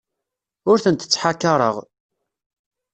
Ur tent-ttḥakaṛeɣ.